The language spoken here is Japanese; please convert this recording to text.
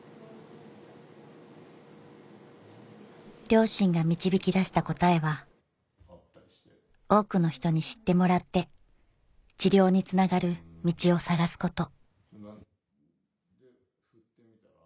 両親が導き出した答えは多くの人に知ってもらって治療につながる道を探すこと